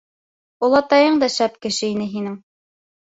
Олатайың да шәп кеше ине һинең.